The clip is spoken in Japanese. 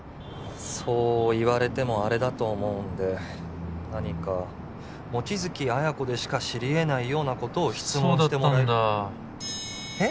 そう言われてもあれだと思うんで何か望月彩子でしか知り得ないようなことを質問そうだったんだえっ？